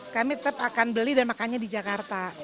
kami tetap akan beli dan makannya di jakarta